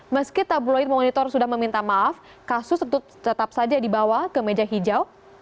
meski tabloid monitor sudah meminta maaf kasus itu tetap saja dibawa ke meja hijau